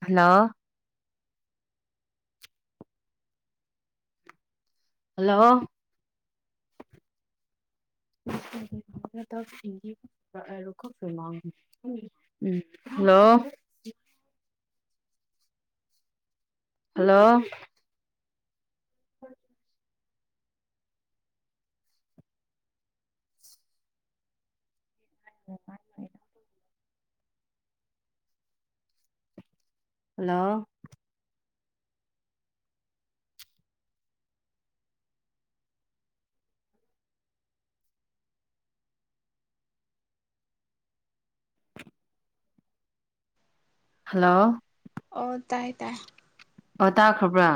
Hello hello E [unintelligible] ꯎꯝ hello hello ꯎ [inaudible] [inaudible] hello hello ꯑꯣ ꯇꯥꯏꯌꯦ ꯇꯥꯏ ꯑ ꯇꯥꯈ꯭ꯔꯕ꯭ꯔꯥ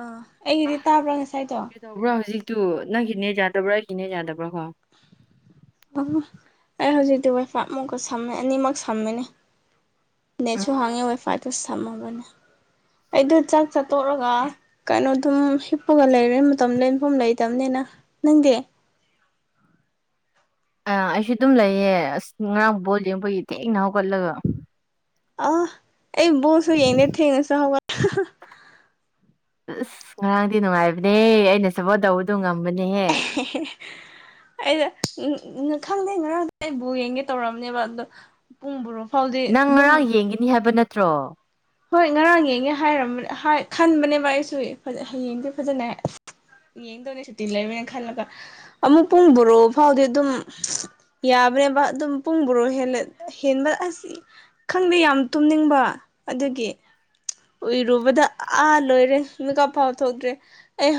ꯑꯥ ꯑꯩꯒꯤꯗꯤ ꯇꯥꯕ꯭ꯔꯥ ꯉꯁꯥꯏꯗꯣ ꯀꯩꯇꯧꯕ꯭ꯔꯥ ꯍꯧꯖꯤꯛꯇꯨ ꯅꯪꯒꯤ ꯅꯦꯠ ꯌꯥꯗꯕ꯭ꯔꯥ ꯑꯩꯒꯤ꫰ꯅꯦꯠ ꯌꯥꯗꯕ꯭ꯔꯥ ꯀꯣ ꯑ [unintelligible] ꯑꯩ ꯍꯧꯖꯤꯛꯇꯤ ꯋꯥꯏꯐꯥꯏ ꯑꯃꯨꯛꯀ ꯁꯝꯃꯦ ꯑꯅꯤꯃꯛ ꯁꯝꯃꯦ ꯎꯝ ꯅꯦꯁꯨ ꯍꯥꯡꯉꯤ ꯏꯐꯥꯏꯠꯇꯨ ꯁꯝꯃꯕꯅꯦ ꯑꯩꯗ ꯆꯥꯛ ꯆ ꯇꯣꯛꯂꯒ ꯀꯩꯅꯣ ꯑꯗꯨꯝ ꯍꯤꯞꯄꯒ ꯂꯩꯔ ꯃꯇꯝ ꯂꯦꯟꯐꯝ ꯂꯩꯇꯕꯅꯤꯅ ꯅꯪꯗꯤ ꯑ ꯑꯩꯁꯨ ꯑꯗꯨꯝ ꯂꯩꯌꯦ ꯑꯁ ꯉꯔꯥꯡ ꯕꯣꯜ ꯌꯦꯡꯕꯒꯤ ꯊꯦꯡꯅ ꯍꯧꯒꯠꯂꯒ ꯑ ꯑꯩ ꯕꯣꯜꯁꯨ ꯌꯦꯡꯗꯦ ꯊꯦꯡꯅꯥꯁꯨ ꯍꯧꯒꯠ ꯑꯁ ꯉꯔꯥꯡꯗꯤ ꯅꯨꯡꯉꯥꯏꯕꯅꯦꯍꯦ ꯑꯩꯅ ꯁꯞꯄꯣꯔꯠ ꯇꯧꯕꯗꯨ ꯉꯝꯕꯅꯦꯍꯦ ꯍ ꯑꯩꯗ ꯎꯝ ꯈꯪꯗꯦ ꯉꯔꯥꯡ ꯑꯩꯕꯨ ꯌꯦꯡꯒꯦ ꯇꯧꯔꯔꯕꯅꯦꯕ ꯑꯗꯣ ꯄꯨꯡ ꯕꯥꯔꯣ ꯐꯥꯎꯗꯤ ꯅꯪ ꯑꯗꯨꯝ ꯉꯔꯥꯡ ꯌꯦꯡꯒꯅꯤ ꯍꯥꯏꯕ ꯅꯠꯇ꯭ꯔꯣ ꯍꯣꯏ ꯉꯔꯥꯡ ꯌꯦꯡꯉꯦ ꯍꯥꯏꯔꯝꯕ ꯈꯟꯕꯅꯦꯕ ꯑꯩꯁꯨ ꯍꯌꯦꯡꯗꯤ ꯐꯖꯅ ꯍꯥꯏ ꯌꯦꯡꯗꯧꯅꯦ ꯁꯨꯇꯤ ꯂꯩꯕꯅꯤꯅꯥ ꯈꯜꯂꯒ ꯑꯃꯨꯛ ꯄꯨꯡ ꯕꯥꯔꯣ ꯐꯥꯎꯗꯤ ꯑꯗꯨꯝ ꯌꯥꯕꯅꯦꯕꯥ ꯑꯗꯨꯝ ꯄꯨꯡ ꯕꯣꯔꯣ ꯍꯦꯟꯂꯥ ꯍꯦꯟꯂꯥ ꯑꯁ ꯈꯪꯗꯦ ꯌꯥꯝ ꯇꯨꯝꯅꯤꯡꯕ ꯑꯗꯨꯒꯤ ꯎꯏꯔꯨꯕꯗ ꯑꯥ ꯂꯣꯏꯔꯦ ꯃꯤꯀꯞ ꯐꯥꯎ ꯊꯣꯛꯇ꯭ꯔꯦ ꯑꯩ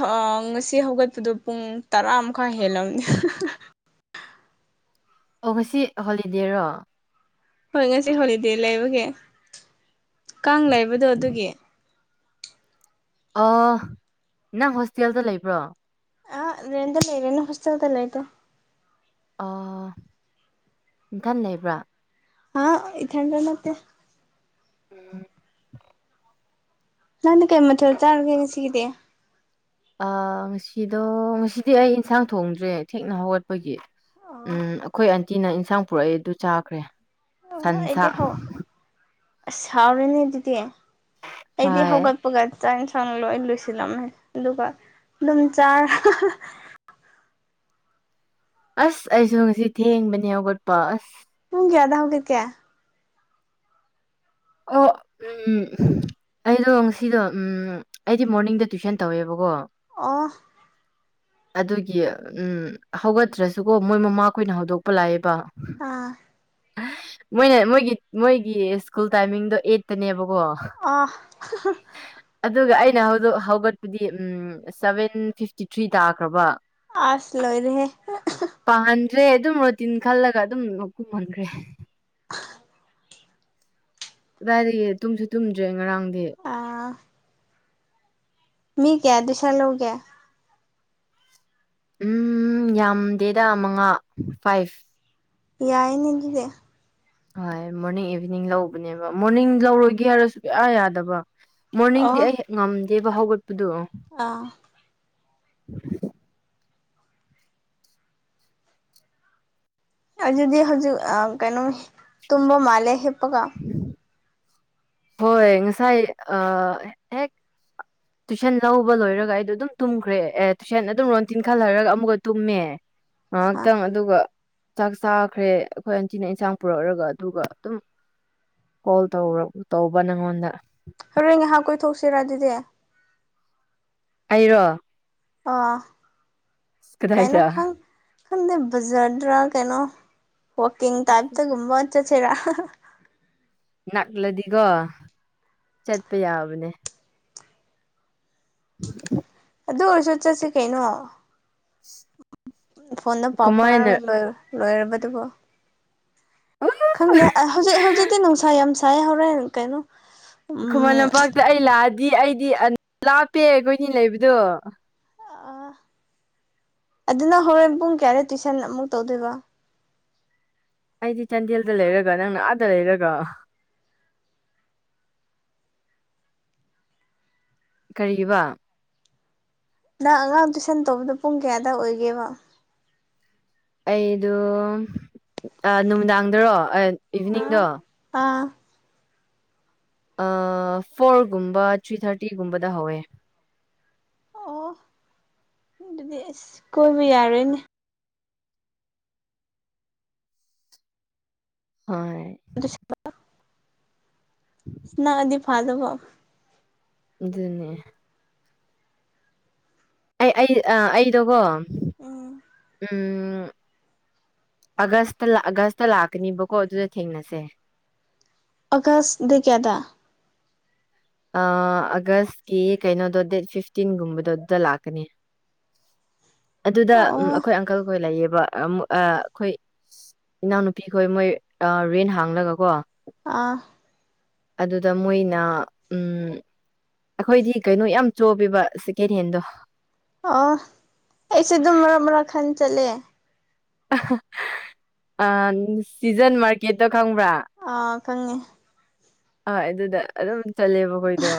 ꯉꯁꯤ ꯍꯧꯒꯠꯄꯗꯣ ꯄꯨꯡ ꯇꯔꯥꯃꯥꯏ ꯍꯦꯜꯂꯝꯕꯅꯦ ꯑꯣ ꯉꯁꯤ ꯍꯣꯂꯤꯗꯦꯔꯣ ꯍꯣꯏ ꯉꯁꯤ ꯍꯣꯂꯤꯗꯦ ꯂꯩꯕꯒꯤ ꯀꯥꯡ ꯂꯩꯕꯗꯣ ꯑꯗꯨꯒꯤ ꯑꯧ ꯅꯪ ꯍꯣꯁꯇꯦꯜꯗ ꯂꯩꯕ꯭ꯔꯣ ꯑ ꯔꯦꯟꯗ ꯂꯩꯔꯥꯅꯣ ꯍꯣꯁꯇꯦꯜ ꯗꯥ ꯂꯩꯔꯣ ꯑꯥ ꯅꯥꯊꯟ ꯂꯩꯕ꯭ꯔꯥ ꯑ ꯏꯊꯟꯗꯥ ꯅꯠꯇꯦ ꯎꯝ ꯅꯪꯗꯤ ꯀꯩ ꯃꯊꯦꯜ ꯆꯥꯔꯒꯦ ꯉꯁꯤꯒꯤꯗꯤ ꯑ ꯉꯁꯤꯗꯣ ꯉꯁꯤꯗꯤ ꯑꯩ ꯏꯟꯁꯥꯡ ꯊꯣꯡꯗ꯭ꯔꯦ ꯊꯦꯡꯅ ꯍꯧꯒꯠꯄꯒꯤ ꯎꯝ ꯑꯩꯈꯣꯏ ꯑꯟꯇꯤꯅ ꯏꯟꯁꯥꯡ ꯄꯨꯔꯛꯑꯦ ꯑꯗꯨ ꯆꯥꯈ꯭ꯔꯦ ꯑꯣ ꯁꯟꯁꯥ ꯑꯩꯗꯤ ꯍꯧ ꯑꯁ ꯍꯥꯎꯔꯅꯦ ꯑꯗꯨꯗꯤ ꯑꯩꯗꯤ ꯍꯣꯏ ꯍꯧꯒꯠ ꯄꯒ ꯆꯥꯛ ꯏꯟꯁꯥꯡ ꯂꯣꯏ ꯂꯣꯏꯁꯤꯜꯂꯝꯃꯦ ꯑꯗꯨꯒ ꯑꯗꯨꯝ ꯆꯥꯔꯦ ꯑꯁ ꯑꯩꯁꯨ ꯉꯁꯤ ꯊꯦꯡꯕꯅꯦ ꯍꯧꯒꯠꯄ ꯑꯁ ꯄꯨꯡ ꯀꯥꯌꯗꯥ ꯍꯧꯒꯠꯀꯦ ꯑꫭ ꯎꯝ ꯑꯩꯗꯣ ꯉꯁꯤꯗꯣ ꯎꯝ ꯑꯩꯗꯤ ꯃꯣꯔꯅꯤꯡꯗ ꯇꯨꯏꯁꯟ ꯇꯧꯋꯦꯕꯀꯣ ꯑꯣ [inaudible] ꯑꯗꯨꯒꯤ ꯎꯝ ꯍꯧꯒꯠꯇ꯭ꯔꯁꯨꯀꯣ ꯃꯣꯏ ꯃꯃꯥꯈꯣꯏꯅ ꯍꯧꯗꯣꯛꯄ ꯂꯥꯛꯑꯦꯕ ꯑꯥ ꯃꯣꯏꯅ ꯃꯣꯏꯒꯤ ꯃꯣꯏꯒꯤ ꯁ꯭ꯀꯨꯜ ꯇꯥꯏꯃꯤꯡꯗꯣ ꯑꯩꯠꯇ ꯅꯦꯕꯀꯣ ꯑꯥ ꯑꯗꯨꯒ ꯑꯩꯅ ꯍꯧ ꯍꯧꯒꯠꯄꯗꯤ ꯎꯝ ꯁꯚꯦꯟ ꯐꯤꯐꯇꯤ ꯊ꯭ꯔꯤ ꯇꯥꯈ꯭ꯔꯕ ꯑꯁ ꯂꯣꯏꯔꯦꯍꯦ ꯄꯥꯍꯟꯗ꯭ꯔꯦ ꯑꯗꯨꯝ ꯔꯣꯇꯤꯟ ꯈꯜꯂꯒ ꯑꯗꯨꯝ ꯀꯨꯍꯟꯈ꯭ꯔꯦ ꯀꯗꯥꯏꯗꯒꯤ ꯇꯨꯝꯁꯨ ꯇꯨꯝꯗ꯭ꯔꯦ ꯉꯔꯥꯡꯗꯤ ꯑꯥ ꯃꯤ ꯀꯌꯥ ꯇꯨꯏꯁꯥꯟ ꯂꯧꯒꯦ ꯎꯝ ꯌꯥꯝꯗꯦꯗ ꯃꯉꯥ ꯐꯥꯏꯚ ꯌꯥꯏꯅꯦ ꯑꯗꯨꯗꯤ ꯍꯣꯏ ꯃꯣꯔꯅꯤꯡ ꯏꯚꯤꯅꯤꯡ ꯂꯧꯕꯅꯦꯕ ꯃꯣꯔꯅꯤꯡ ꯂꯧꯔꯣꯏꯒꯦ ꯍꯥꯏꯔ ꯁꯨꯡꯌꯥ ꯌꯥꯗꯕ ꯑꯣ ꯃꯣꯔꯅꯤꯡꯗꯤ ꯑꯩ ꯍꯦꯛ ꯉꯝꯗꯦꯕ ꯍꯧꯒꯠꯄꯗꯣ ꯑꯥ [unintelligible] ꯑꯗꯨꯗꯤ ꯍꯧꯖꯤꯛ ꯑꯥ ꯀꯩꯅꯣ ꯇꯨꯝꯕ ꯃꯥꯜꯂꯦ ꯍꯤꯞꯄꯒꯥ ꯍꯣꯏ ꯉꯁꯥꯏ ꯑ ꯍꯦꯛ ꯇꯨꯏꯁꯟ ꯂꯧꯕ ꯂꯣꯏꯔꯒ ꯑꯩꯗꯣ ꯑꯗꯨꯝ ꯇꯨꯝꯈ꯭ꯔꯦ ꯑꯦ ꯇꯨꯏꯁꯟ ꯑꯗꯨꯝ ꯔꯣꯟꯇꯤꯟ ꯈꯜꯂꯔꯒ ꯑꯃꯨꯛꯀ ꯇꯨꯝꯃꯦ ꯑꯥ ꯉꯥꯏꯍꯥꯛꯇꯪ ꯑꯗꯨꯒ ꯆꯥꯛ ꯆꯥꯈ꯭ꯔꯦ ꯑꯩꯈꯣꯏ ꯑꯟꯇꯤꯅ ꯏꯟꯁꯥꯡ ꯄꯨꯔꯛꯑꯥꯒ ꯑꯗꯨꯒ ꯑꯗꯨꯝ ꯀꯣꯜ ꯇꯧ ꯇꯧꯕ ꯅꯪꯉꯣꯟꯗ ꯍꯣꯔꯦꯟ ꯉꯥꯏꯍꯥꯛ ꯀꯣꯏꯊꯣꯛꯁꯤꯔꯥ ꯑꯗꯨꯗꯤ ꯑꯩꯔꯣ ꯑ ꯀꯩꯅꯣ ꯀꯗꯥꯏꯗ ꯈꯪ ꯈꯪꯗ ꯕꯥꯖꯔꯗꯔꯥ ꯀꯩꯅꯣ ꯋꯥꯀꯤꯡ ꯇꯥꯏꯄ ꯇꯥ ꯒꯨꯝꯕ ꯆꯠꯁꯦꯔꯥ ꯅꯛꯂꯗꯤꯀꯣ ꯆꯠꯄ ꯌꯥꯕꯅꯦ ꯑꯗꯨ ꯑꯣꯏꯔꯁꯨ ꯆꯠꯁꯤ ꯀꯩꯅꯣ ꯐꯣꯟꯗ ꯄꯥꯎ ꯀꯃꯥꯏꯅ ꯐꯥꯑꯣꯅꯥꯔ ꯂꯣꯏ ꯂꯣꯏꯔꯕꯗꯨꯕꯨ ꯈꯪꯗꯦ ꯍꯧꯖꯤꯛ ꯍꯧꯖꯤꯛꯇꯤ ꯅꯨꯡꯁꯥ ꯌꯥꯝ ꯁꯥꯏ ꯍꯧꯔꯦꯟ ꯀꯩꯅꯣ ꯈꯨꯃꯟ ꯎꯝ ꯂꯝꯄꯥꯛꯇ ꯑꯩ ꯂꯥꯛꯑꯗꯤ ꯑꯩꯗꯤ ꯂꯥꯞꯄꯦ ꯑꯩꯈꯣꯏꯅꯤ ꯂꯩꯕꯗꯣ ꯑ ꯑꯗꯨꯅ ꯍꯣꯔꯦꯟ ꯄꯨꯡ ꯀꯌꯥꯗ ꯇꯨꯏꯁꯟ ꯑꯃꯨꯛ ꯇꯧꯗꯣꯏꯕ ꯑꯩꯗꯤ ꯆꯥꯟꯗꯦꯜꯗ ꯂꯩꯔꯒ ꯅꯪꯅ ꯑꯥꯗ ꯂꯩꯔꯒ ꯀꯔꯤꯕꯥ ꯅꯪ ꯑꯉꯥꯡ ꯇꯨꯏꯁꯟ ꯇꯧꯕꯗꯣ ꯄꯨꯡ ꯀꯌꯥꯗ ꯑꯣꯏꯒꯦꯕ ꯑꯩꯗꯣ ꯑꯥ ꯅꯨꯃꯤꯗꯥꯡꯗꯔꯣ ꯏꯚꯤꯅꯤꯡꯗꯣ ꯑꯥꯠ ꯑꯥ ꯐꯣꯔꯒꯨꯝꯕ ꯊ꯭ꯔꯤ ꯊꯥꯔꯇꯤꯒꯨꯝꯕꯗ ꯍꯧꯋꯦ ꯑꯣ ꯑꯗꯨꯗꯤ ꯑꯁ ꯀꯣꯏꯕ ꯌꯥꯔꯦꯅꯦ ꯍꯣꯏ ꯑꯗꯨꯁꯨ [unintelligible] ꯅꯛꯑꯗꯤ ꯐꯥꯗꯣꯕ ꯑꯗꯨꯅꯦ ꯑꯩ ꯑꯩ ꯑꯩꯗꯨꯀꯣ ꯎꯝ ꯎꯝ ꯑꯥꯒꯁꯇ ꯑꯥꯒꯁꯇ ꯂꯥꯛꯀꯅꯤꯕꯀꯣ ꯑꯗꯨꯗ ꯊꯦꯡꯅꯁꯦ ꯑꯒꯥꯁ ꯗꯦꯠ ꯀꯌꯥꯗ ꯑꯥ ꯑꯥꯒꯁꯀꯤ ꯀꯩꯅꯣꯗꯣ ꯗꯦꯠ ꯐꯤꯐꯇꯤꯟꯒꯨꯝꯕꯗꯣ ꯑꯗꯨꯗ ꯂꯥꯛꯀꯅꯤ ꯑꯗꯨꯗ ꯑꯣ ꯎꯝ ꯑꯩꯈꯣꯏ ꯑꯪꯀꯜꯈꯣꯏ ꯂꯩꯌꯦꯕ ꯑꯝ ꯑꯥ ꯑꯩꯈꯣꯏ ꯏꯅꯥꯎꯅꯨꯄꯤꯈꯣꯏ ꯃꯣꯏ ꯔꯦꯟ ꯍꯥꯡꯂꯒ ꯀꯣ ꯑꯥ ꯑꯗꯨꯗ ꯃꯣꯏꯅ ꯎꯝ ꯑꯩꯈꯣꯏꯗꯤ ꯀꯩꯅꯣ ꯌꯥꯝ ꯆꯣꯄꯤꯕ ꯁꯦꯀꯦꯟ ꯍꯦꯟꯗꯣ ꯑꯣ ꯑꯩꯁꯨ ꯑꯗꯨꯝ ꯃꯔꯛ ꯃꯔꯛ ꯈꯟ ꯆꯠꯂꯦ ꯑꯍꯥ ꯑꯥ ꯁꯤꯖꯟ ꯃꯥꯔꯀꯦꯠꯇꯣ ꯈꯪꯕ꯭ꯔꯥ ꯑ ꯈꯉꯦ ꯍꯣꯏ ꯑꯗꯨꯗ ꯑꯗꯨꯝ ꯆꯠꯂꯦꯕ ꯑꯈꯣꯏꯗꯣ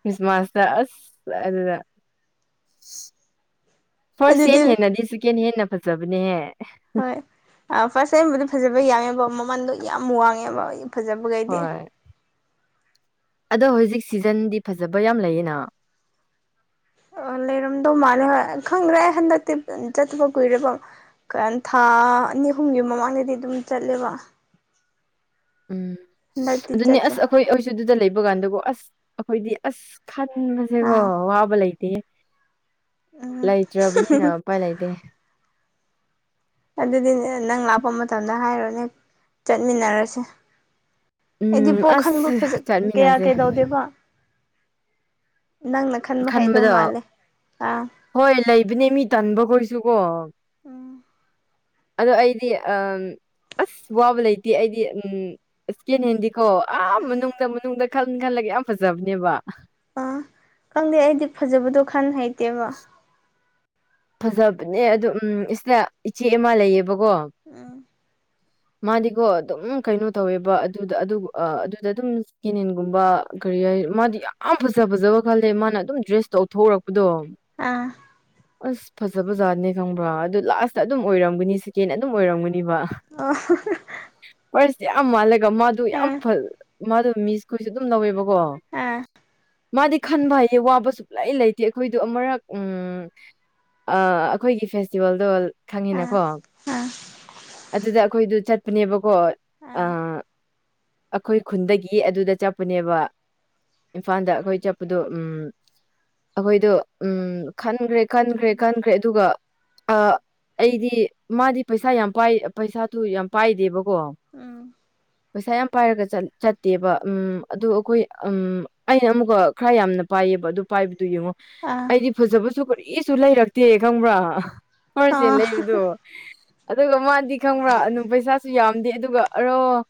ꯈ꯭ꯔꯤꯁꯃꯥꯁꯗ ꯑꯁ ꯑꯗꯨꯗ ꯐꯥꯔ꯭ꯁ ꯍꯦꯟ ꯑꯗꯨꯗꯤ ꯍꯦꯟꯅꯗꯤ ꯁꯦꯀꯦꯟ ꯍꯦꯟꯅ ꯐꯖꯕꯅꯦꯍꯦ ꯍꯣꯏ ꯐꯥꯔꯁ ꯇꯕꯨꯗꯤ ꯐꯖꯕ ꯌꯥꯝꯃꯦꯕ ꯃꯃꯟꯗꯣ ꯌꯥꯝ ꯋꯥꯡꯉꯦꯕ ꯐꯖꯕꯒꯩꯗꯤ ꯍꯣꯏ ꯑꯗꯣ ꯍꯧꯖꯤꯛ ꯁꯤꯖꯟꯗꯤ ꯐꯖꯕ ꯌꯥꯝ ꯂꯩꯌꯦꯅ ꯂꯩꯔꯝꯗꯧ ꯃꯥꯜꯂꯦ ꯍꯣꯏ ꯈꯪꯗ꯭ꯔꯦ ꯍꯟꯗꯛꯇꯤ ꯆꯠꯇꯕ ꯀꯨꯏꯔꯦꯕꯣ ꯊꯥ ꯑꯅꯤ ꯑꯍꯨꯝꯒꯤ ꯃꯃꯥꯡꯗꯗꯤ ꯑꯗꯨꯝ ꯆꯠꯂꯦꯕ ꯎꯝ ꯍꯟꯗꯛꯇꯤ ꯑꯗꯨꯅꯦ ꯆꯠꯇ꯭ꯔꯦ ꯑꯁ ꯑꯩꯈꯣꯏ ꯑꯩꯁꯨ ꯑꯗꯨꯗ ꯂꯩꯕ ꯀꯥꯟꯗꯀꯣ ꯑꯁ ꯑꯩꯈꯣꯏꯗꯤ ꯑꯁ ꯈꯟꯕꯁꯦꯀꯣ ꯑꯥ ꯋꯥꯕ ꯂꯩꯇꯦ ꯎꯝ ꯂꯩꯇ꯭ꯔꯕꯅꯤꯅ ꯎꯄꯥꯏ ꯂꯩꯇꯦ ꯑꯗꯨꯗꯤꯅꯦ ꯅꯪ ꯂꯥꯛꯄ ꯃꯇꯝꯗ ꯍꯥꯏꯔꯣꯅꯦ ꯆꯠꯃꯤꯟꯅꯔꯁꯦ ꯑꯩꯗꯤ ꯎꯝ ꯄꯣꯛ ꯈꯟꯕ ꯑꯁ ꯀꯌꯥ ꯆꯠꯃꯤꯟꯅꯁꯦ ꯀꯩꯗꯧꯗꯦꯕ ꯅꯪꯅ ꯈꯟꯕ ꯍꯥꯏꯗꯧ ꯈꯟꯕꯗꯣ ꯃꯥꯜꯂꯦ ꯑꯥ ꯍꯣꯏ ꯂꯩꯕꯅꯦ ꯃꯤ ꯇꯟꯕꯒꯣꯏꯁꯨꯀꯣ ꯎꯝ ꯑꯗꯣ ꯑꯩꯗꯤ ꯎꯝ ꯑꯁ ꯋꯥꯕ ꯂꯩꯇꯦ ꯑꯩꯗꯤ ꯎꯝ ꯏꯁꯀꯦꯟ ꯍꯦꯟꯗꯤꯈꯣ ꯑꯥ ꯃꯅꯨꯡꯗ ꯃꯅꯨꯡꯗ ꯈꯜ ꯈꯜꯂꯒ ꯌꯥꯝ ꯐꯖꯕꯅꯦꯕ ꯑꯥ ꯈꯪꯗꯦ ꯑꯩꯗꯤ ꯐꯖꯕꯗꯣ ꯈꯟ ꯍꯩꯇꯦꯕ ꯐꯖꯕꯅꯦ ꯑꯗꯨ ꯎꯝ ꯏꯁꯗ ꯏꯆꯦ ꯑꯃ ꯂꯩꯌꯦꯕꯀꯣ ꯎꯝ [unintelligible] [inaudible] ꯃꯥꯗꯤꯀꯣ ꯑꯗꯨꯝ ꯀꯩꯅꯣ ꯇꯧꯋꯦꯕ ꯑꯗꯨꯗ ꯑꯗꯨ ꯑꯗꯨꯝ ꯁꯤꯀꯦꯅꯦꯟꯒꯨꯝꯕ ꯀꯔꯤ ꯍꯥꯏ ꯃꯥꯗꯤ ꯌꯥꯝ ꯐꯖ ꯐꯖꯕ ꯈꯜꯂꯦ ꯃꯥꯅ ꯑꯗꯨꯝ ꯗ꯭ꯔꯦꯁ ꯇꯧꯊꯣꯔꯛꯄꯗꯣ ꯑꯥ ꯑꯁ ꯐꯖꯕ ꯖꯥꯠꯅꯦ ꯈꯪꯕ꯭ꯔꯥ ꯑꯗꯨ ꯂꯥꯁꯇ ꯑꯗꯨꯝ ꯑꯣꯏꯔꯝꯒꯅꯤ ꯁꯦꯀꯦꯟ ꯑꯗꯨꯝ ꯑꯣꯏꯔꯝꯒꯅꯤꯕ ꯑꯣ ꯍꯣ ꯍꯣ ꯍꯣ ꯐꯥꯔꯁ ꯌꯥꯝ ꯃꯥꯜꯂꯒ ꯃꯥꯗꯨ ꯌꯥꯝ ꯐ ꯃꯥꯗꯨ ꯃꯤꯁ ꯈꯣꯏꯁꯨ ꯑꯗꯨꯝ ꯂꯧꯋꯦꯕ ꯀꯣ ꯃꯥꯗꯤ ꯈꯟꯕ ꯍꯩꯏꯌꯦ ꯋꯥꯕ ꯁꯨꯛꯂꯩ ꯂꯩꯇꯦ ꯑꯩꯈꯣꯏꯗꯣ ꯑꯃꯔꯛ ꯎꯝ ꯑꯩꯈꯣꯏꯒꯤ ꯐꯦꯁꯇꯤꯚꯦꯜꯗꯣ ꯈꯪꯉꯤꯅꯀꯣ ꯑꯗꯨꯗ ꯑꯩꯈꯣꯏꯗꯨ ꯆꯠ ꯄꯅꯦꯕꯀꯣ ꯑꯥ ꯑꯩꯈꯣꯏ ꯈꯨꯟꯗꯒꯤ ꯑꯗꯨꯗ ꯆꯠꯄꯅꯦꯕ ꯏꯝꯐꯥꯜꯗ ꯑꯩꯈꯣꯏ ꯆꯠꯄꯗꯣ ꯎꯝ ꯑꯩꯈꯣꯏꯗꯣ ꯎꯝ ꯈꯟꯈ꯭ꯔꯦ ꯈꯟꯈ꯭ꯔꯦ ꯈꯟꯈ꯭ꯔꯦ ꯑꯗꯨꯒ ꯑ ꯑꯩꯗꯤ ꯃꯥꯗꯤ ꯄꯩꯁꯥ ꯌꯥꯝ ꯄꯥꯏ ꯄꯩꯁꯥꯗꯨ ꯌꯥꯝ ꯄꯥꯏꯗꯦꯕꯀꯣ ꯎꯝ [unintelligible] ꯄꯩꯁꯥ ꯌꯥꯝ ꯄꯥꯏꯔꯒ ꯆꯠꯇꯦꯕ ꯎ ꯑꯗꯨ ꯑꯩꯈꯣꯏ ꯑꯩꯅ ꯑꯃꯨꯛꯀ ꯈꯔ ꯌꯥꯝꯅ ꯄꯥꯏꯌꯦꯕ ꯑꯗꯨ ꯄꯥꯏꯕꯗꯨ ꯌꯦꯡꯉꯣ ꯑꯩꯗꯤ ꯐꯖꯕꯁꯨ ꯀꯔꯤꯁꯨ ꯂꯩꯔꯛꯇꯦ ꯈꯪꯕ꯭ꯔꯥ ꯐꯥꯔꯁꯦ ꯂꯩꯕꯗꯨ ꯑꯗꯨꯒ ꯃꯥꯗꯤ ꯈꯪꯕ꯭ꯔꯥ ꯑꯗꯨ ꯄꯩꯁꯥꯁꯨ ꯌꯥꯝꯗꯦ ꯑꯗꯨꯒ ꯑꯥꯔꯣ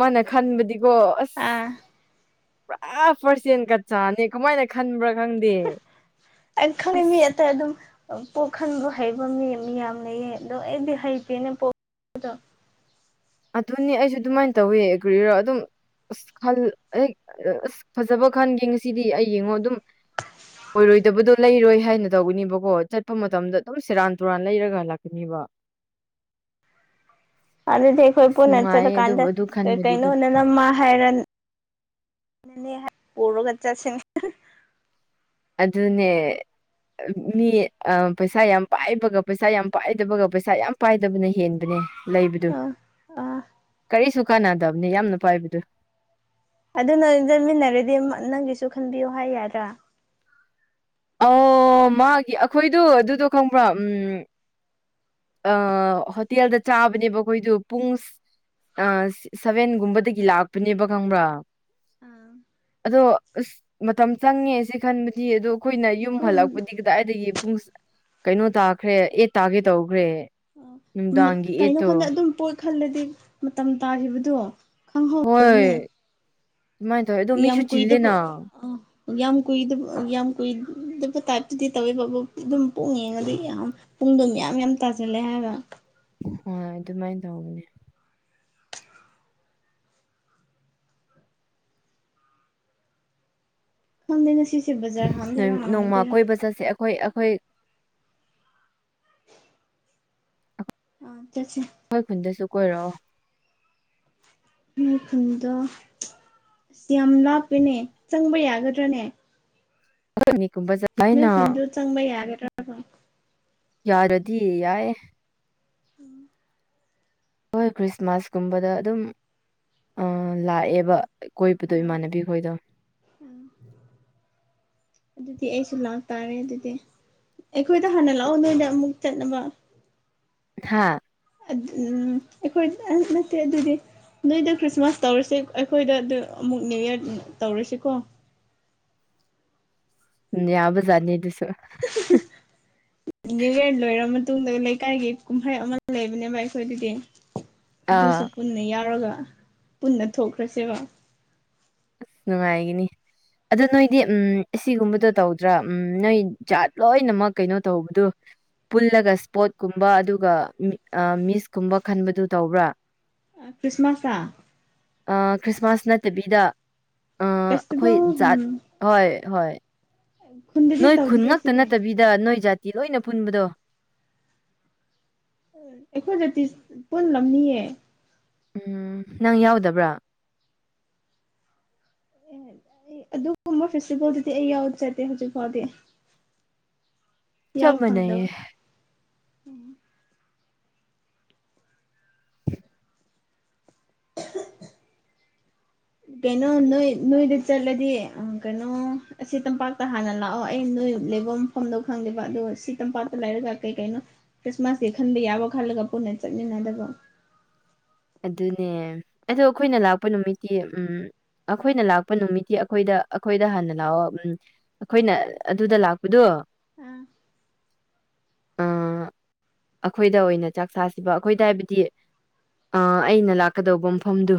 ꯃꯥꯅ ꯈꯟꯕꯗꯤꯀꯣ ꯑꯁ ꯄꯨꯔꯥ ꯄꯥꯔꯁꯦꯟ ꯀꯠ ꯆꯥꯅꯤ ꯀꯃꯥꯏꯅ ꯈꯟꯕ꯭ꯔꯥ ꯈꯪꯗꯦ ꯑꯩ ꯑꯁ ꯈꯪꯅꯤꯡꯉꯤ ꯑꯇꯩ ꯑꯗꯨꯝ꯫ ꯄꯣꯛꯍꯟꯕ ꯍꯩꯕ ꯃꯤ ꯃꯤ ꯌꯥꯝ ꯂꯩꯌꯦ ꯑꯗꯣ ꯑꯩꯗꯤ ꯍꯩꯇꯦꯅ ꯑꯗꯨꯅꯤ ꯑꯩꯁꯨ ꯑꯗꯨꯃꯥꯏꯅ ꯇꯧꯋꯦ ꯒ꯭ꯔꯤꯔꯥ ꯑꯗꯨꯝ ꯑꯁ ꯈꯜ ꯍꯦꯛ ꯑ ꯑꯁ ꯐꯖꯕ ꯈꯟꯒꯦ ꯉꯁꯤꯗꯤ ꯑꯩ ꯌꯦꯡꯉꯣ ꯑꯗꯨꯝ꯫ ꯑꯣꯏꯔꯣꯏꯗꯕꯗꯣ ꯂꯩꯔꯣꯏ ꯍꯥꯏꯅ ꯇꯧꯒꯅꯤꯕꯀꯣ ꯆꯠꯄ ꯃꯇꯝꯗ ꯑꯗꯨꯝ ꯁꯦꯔꯥꯟ ꯇꯨꯔꯥꯟ ꯂꯩꯔꯒꯂꯥꯛꯀꯅꯤꯕ ꯑꯗꯨꯗꯤ ꯑꯩꯈꯣꯏ ꯑꯁ ꯄꯨꯟꯅ ꯅꯨꯡꯉꯥꯏꯌꯦ ꯑꯗꯨꯕꯨ ꯆꯠꯂꯀꯥꯟꯗ ꯑꯗꯨ ꯀ ꯈꯟꯕꯗꯤ ꯀꯩꯅꯣ ꯑꯗꯨꯝ ꯅ ꯅꯝꯃ ꯍꯥꯏꯔ [unintelligible] ꯑꯗꯨꯅꯦ ꯃꯤ ꯑ ꯄꯩꯁꯥ ꯌꯥꯝ ꯄꯥꯏꯕꯒ ꯄꯩꯁꯥ ꯌꯥꯝ ꯄꯥꯏꯗꯕꯒ ꯄꯩꯁꯥ ꯌꯥꯝ ꯄꯥꯏꯗꯕꯅ ꯍꯦꯟꯕꯅꯦ꯫ ꯂꯩꯕꯗꯨ ꯑꯥ ꯑꯥ ꯀꯔꯤꯁꯨ ꯀꯥꯟꯅꯗꯕꯅꯤ ꯌꯥꯝꯅ ꯄꯥꯏꯕꯗꯨ ꯑꯗꯨ ꯅ ꯆꯠꯃꯤꯟꯅꯔꯗꯤ ꯅꯪꯒꯤꯁꯨ ꯈꯟꯕꯤꯌꯨ ꯍꯥꯏ ꯌꯥꯗ꯭ꯔꯥ ꯑꯣ ꯃꯥꯒꯤ ꯑꯩꯈꯣꯏꯗꯨ ꯑꯗꯨꯗꯣ ꯈꯪꯕ꯭ꯔꯥ ꯎꯝ ꯑ ꯍꯣꯇꯦꯜꯗ ꯆꯥꯕꯅꯦꯕ ꯑꯩꯈꯣꯏꯗꯨ ꯄꯨꯡꯁ ꯑ ꯁꯚꯦꯟꯒꯨꯝꯕꯗꯒꯤ ꯂꯥꯛꯄꯅꯦꯕ ꯈꯪꯕ꯭ꯔꯥ ꯑꯥ ꯑꯗꯣ ꯑꯁ ꯃꯇꯝ ꯆꯪꯉꯦ ꯁꯤ ꯈꯟꯕꯗꯤ ꯑꯗꯣ ꯑꯩꯈꯣꯏꯅ ꯌꯨꯝ ꯍꯣꯏ ꯍꯜꯂꯛꯄꯗꯤ ꯀꯥꯗꯥꯏꯗꯒꯤ ꯄꯨꯡ ꯀꯩꯅꯣ ꯇꯥꯈ꯭ꯔꯦ ꯑꯦꯠ ꯇꯥꯒꯦ ꯇꯧꯈ꯭ꯔꯦ ꯃꯨꯠ ꯅꯨꯡꯗꯥꯡꯒꯤ ꯀꯩꯅꯣ ꯑꯦꯠꯇꯣ ꯈꯪꯗꯦ ꯑꯗꯨꯝ ꯄꯨꯟ ꯈꯜꯂꯗꯤ ꯃꯇꯝ ꯇꯥꯈꯤꯕꯗꯣ ꯈꯪꯍꯧꯗꯕꯅꯤ ꯃꯥꯏ ꯇ ꯌꯥꯝ ꯀꯨꯏꯗꯀꯨ ꯑ ꯌꯥꯝ ꯀꯨꯏꯗꯕꯥ ꯌꯥꯝ ꯀꯨꯏꯗꯕ ꯇꯥꯏꯞꯇꯨꯗꯤ ꯇꯧꯋꯦꯕꯥ ꯑꯗꯨꯝ ꯄꯨꯡ ꯌꯦꯡꯉꯥꯗꯤ ꯌꯥꯝ ꯄꯨꯡꯗꯣ ꯃꯌꯥꯝ ꯃꯌꯥꯝ ꯇꯥꯖꯤꯜꯂꯦ ꯍꯥꯏꯔꯣ꯫ ꯍꯣꯏ ꯑꯗꯨꯃꯥꯏꯅ ꯇꯧꯕꯅꯦ [unintelligible] ꯅꯣꯏ ꯅꯣꯡꯃ ꯍꯥꯡꯉꯣꯏꯗꯣꯏꯔꯥ ꯀꯣꯏꯕ ꯆꯠꯁꯦ ꯑꯩꯈꯣꯏ ꯑꯩꯈꯣꯏ [unintelligible] ꯑ ꯆꯁ ꯍꯣꯏ ꯈꯨꯟꯗꯁꯨ ꯀꯣꯏꯔꯛꯑꯣ ꯃꯈꯜꯗꯣ ꯑꯁ ꯌꯥꯝ ꯂꯥꯞꯄꯦꯅꯦ ꯆꯪꯕ ꯌꯥꯒꯗ꯭ꯔꯥꯅꯦ ꯨꯝ [unintelligible] ꯅ ꯐꯣꯟꯟꯗ ꯆꯪꯕꯩ ꯌꯥꯒꯦꯔ ꯌꯥꯔꯗꯤ ꯌꯥꯏ ꯍꯣꯏ ꯈ꯭ꯔꯤꯁꯃꯥꯁꯀꯨꯝꯕꯗ ꯑꯗꯨꯝ ꯂꯥꯛꯑꯦꯕ ꯑ ꯀꯣꯏꯕꯗꯣ ꯏꯃꯥꯟꯅꯕꯤ ꯈꯣꯏꯗꯣ ꯑꯝ ꯑꯗꯨꯗꯤ ꯑꯩꯁꯨ ꯂꯥꯛꯇꯥꯔꯦ ꯑꯗꯨꯗꯤ ꯑꯩꯈꯣꯏꯗ ꯍꯥꯟꯅ ꯂꯥꯛꯑꯣ ꯅꯣꯏꯗ ꯑꯃꯨꯛ ꯆꯠꯅꯕ꯫ ꯍꯥꯥ ꯑꯩꯈꯣꯏ ꯑ ꯅꯠꯇꯦ ꯑꯗꯨꯗꯤ ꯅꯣꯏꯗ ꯈ꯭ꯔꯤꯁꯃꯥꯁ ꯇꯧꯔꯁꯤ ꯑꯩꯈꯣꯏꯗ ꯑꯗꯨ ꯑꯃꯨꯛ ꯅꯤꯎꯌꯥꯔ ꯇꯧꯔꯁꯤꯀꯣ ꯌꯥꯕꯖꯥꯅꯤ ꯑꯗꯨꯁꯨ꯫ ꯅ꯭ꯌꯨ ꯌꯥꯔ ꯂꯣꯏꯔ ꯃꯇꯨꯡꯗ ꯂꯩꯀꯥꯏꯒꯤ ꯀꯨꯝꯍꯩ ꯑꯃ ꯂꯩꯕꯅꯦꯕ ꯑꯩꯈꯣꯏꯗꯗꯤ ꯑꯥ ꯑꯗꯨꯁꯨ ꯄꯨꯟꯅ ꯌꯥꯎꯔꯒ ꯄꯨꯟꯅ ꯊꯣꯛꯈ꯭ꯔꯁꯦꯕ ꯑꯁ ꯅꯨꯡꯉꯥꯏꯒꯅꯤ ꯑꯗꯨ ꯅꯣꯏꯗꯤ ꯎꯝ ꯑꯁꯤꯒꯨꯝꯕꯗꯣ ꯇꯧꯗ꯭ꯔꯥ ꯎꯝ ꯅꯣꯏ ꯖꯥꯠ ꯂꯣꯏꯅꯃꯛ ꯀꯩꯅꯣ ꯇꯧꯕꯗꯨ ꯄꯨꯜꯂꯒ ꯏꯁꯄꯣꯔꯠꯀꯨꯝꯕ ꯑꯗꯨꯒ ꯃꯤꯁꯀꯨꯝꯕ ꯈꯟꯕꯗꯨ ꯇꯧꯕ꯭ꯔꯥ ꯈ꯭ꯔꯤꯁꯃꯥꯁꯇ ꯈ꯭ꯔꯤꯁꯃꯥꯁ ꯅꯠꯇꯕꯤꯗ ꯑꯩꯈꯣꯏ ꯐꯦꯁꯇꯤꯚꯦꯜꯒꯨꯝ ꯖꯥꯠ ꯍꯣꯏ ꯍꯣꯏ꯫ ꯈꯨꯟꯗꯗꯤ ꯅꯣꯏ ꯈꯨꯟ ꯇꯧꯗꯤꯌꯦ ꯉꯛꯇ ꯁꯤꯗꯤ ꯅꯠꯇꯕꯤꯗ ꯅꯣꯏ ꯖꯥꯇꯤ ꯂꯣꯏꯅ ꯄꯨꯟꯕꯗꯣ ꯑꯩꯈꯣꯏꯗ ꯄꯨꯟꯂꯝꯅꯤꯌꯦ ꯎꯝ ꯅꯪ ꯌꯥꯎꯗꯕ꯭ꯔꯥ ꯑꯦ ꯑꯩ ꯑꯗꯨꯒꯨꯝꯕ ꯐꯦꯁꯇꯤꯚꯦꯜꯗꯨꯗꯤ ꯑꯩ ꯌꯥꯎ ꯆꯠꯗꯦ ꯍꯧꯖꯤꯛ ꯐꯥꯎꯗꯤ ꯌꯥꯎ ꯆꯞ ꯐꯪꯗꯕ ꯃꯥꯅꯩꯌꯦ [unintelligible] ꯀꯩꯅꯣ ꯅꯣꯏ ꯅꯣꯏꯗ ꯆꯠꯂꯗꯤ ꯀꯩꯅꯣ ꯑꯁꯤ ꯇꯝꯄꯥꯛꯇ ꯍꯥꯟꯅ ꯂꯥꯛꯑꯣ ꯑꯩ ꯅꯣꯏ ꯂꯩꯐꯝ ꯃꯐꯝꯗꯧ ꯈꯪꯗꯦꯕ ꯑꯗꯣ ꯁꯤ ꯇꯝꯄꯥꯛꯇ ꯂꯩꯔꯒ ꯀꯩ ꯀꯩꯅꯣ ꯈ꯭ꯔꯤꯁꯃꯥꯁꯀꯤ ꯈꯟꯕ ꯌꯥꯕ ꯈꯜꯂꯒ ꯄꯨꯟꯅ ꯆꯠꯃꯤꯟꯅꯗꯕ ꯑꯗꯨꯅꯦ ꯑꯗꯣ ꯑꯩꯈꯣꯏꯅ ꯂꯥꯛꯄ ꯅꯨꯃꯤꯠꯇꯤ ꯎꯝ ꯑꯩꯈꯣꯏꯅ ꯂꯥꯛꯄ ꯅꯨꯃꯤꯠꯇꯤ ꯑꯩꯈꯣꯏꯗ ꯑꯩꯈꯣꯏꯗ ꯍꯥꯟꯅ ꯂꯥꯛꯑꯣ ꯎꯝ ꯑꯩꯈꯣꯏꯅ ꯑꯗꯨꯗ ꯂꯥꯛꯄꯗꯣ ꯑꯥ ꯑꯩꯈꯣꯏꯗ ꯑꯣꯏꯅ ꯆꯥꯛ ꯆꯥꯁꯤꯕ ꯑꯩꯈꯣꯏꯗ ꯍꯥꯏꯕꯗꯤ ꯑ ꯑꯩꯅ ꯂꯥꯛꯀꯗꯧꯕ ꯃꯐꯝꯗꯨ